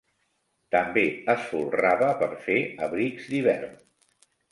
També es folrava per fer abrics d'hivern.